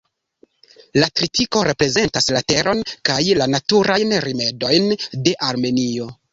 La tritiko reprezentas la teron kaj la naturajn rimedojn de Armenio.